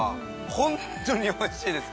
本当においしいです。